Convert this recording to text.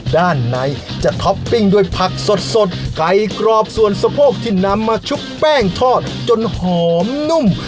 ด้านในจะท็อปปิ้งด้วยผักสดไก่กรอบส่วนสะโพกที่นำมาชุบแป้งทอดจนหอมนุ่ม